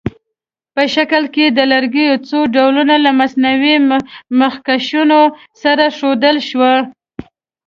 په شکل کې د لرګیو څو ډولونه له مصنوعي مخکشونو سره ښودل شوي.